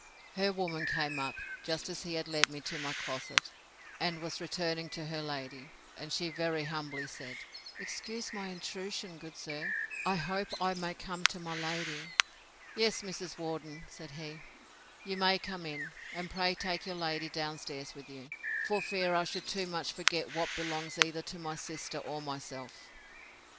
Her woman came up, just as he had led me to my closet, and was returning to her lady; and she very humbly said, Excuse my intrusion, good sir!—I hope I may come to my lady. Yes, Mrs. Worden, said he, you may come in; and pray take your lady down stairs with you, for fear I should too much forget what belongs either to my sister or myself!